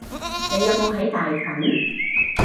你有冇喺大群？